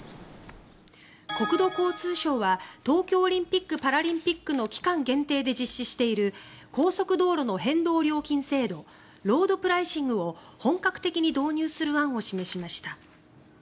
国土交通省は東京オリンピック・パラリンピックの期間限定で実施している高速道路の変動料金制度ロードプライシングを本格的に導入する案を示しました。